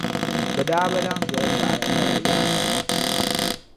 bɛ daa bi lan doli zaɣila nyɛla yaakaza.